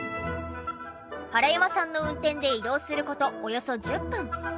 原山さんの運転で移動する事およそ１０分。